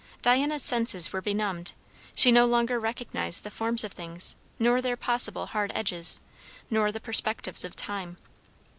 Diana's senses were benumbed; she no longer recognised the forms of things, nor their possible hard edges, nor the perspectives of time.